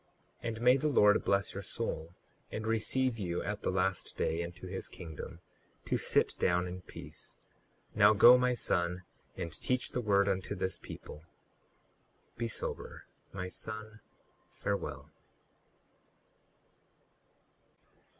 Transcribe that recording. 38:15 And may the Lord bless your soul, and receive you at the last day into his kingdom, to sit down in peace. Now go, my son, and teach the word unto this people. Be sober. My son, farewell.